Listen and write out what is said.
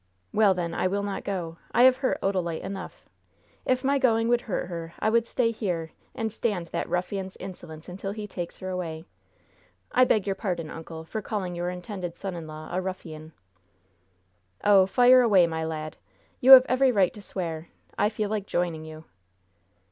"Well, then, I will not go. I have hurt Odalite enough. If my going would hurt her I would stay here and stand that ruffian's insolence until he takes her away. I beg your pardon, uncle, for calling your intended son in law a ruffian." "Oh, fire away, my lad! You have every right to swear! I feel like joining you."